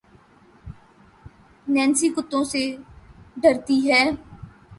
Nancy کتّوں سے درتی ہے